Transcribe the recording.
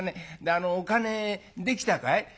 あのお金できたかい？」。